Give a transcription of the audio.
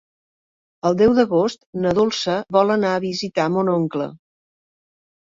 El deu d'agost na Dolça vol anar a visitar mon oncle.